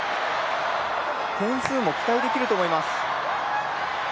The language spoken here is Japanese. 点数も期待できると思います。